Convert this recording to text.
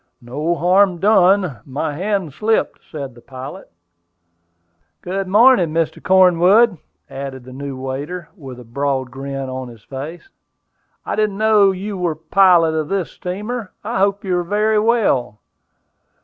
"No harm done; my hand slipped," said the pilot. "Good morning, Mr. Cornwood," added the new waiter, with a broad grin on his face. "I didn't know you were the pilot of this steamer. I hope you are very well."